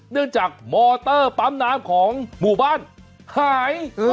เนื่องจากมอเตอร์ปั๊มน้ำของหมู่บ้านหาย